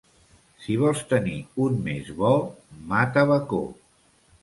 Si vols tenir un mes bo, mata bacó.